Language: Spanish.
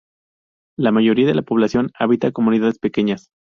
La mayoría de la población habita comunidades pequeñas.